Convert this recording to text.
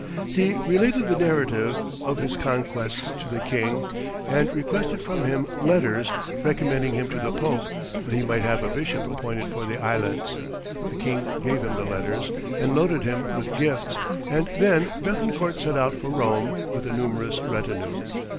He related the narrative of his conquests to the king, and requested from him letters recommending him to the Pope, that he might have a bishop appointed for the islands. The king gave him the letters, and loaded him with gifts, and then Béthencourt set out for Rome with a numerous retinue.